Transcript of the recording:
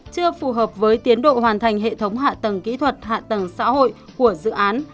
chưa phù hợp với tiến độ hoàn thành hệ thống hạ tầng kỹ thuật hạ tầng xã hội của dự án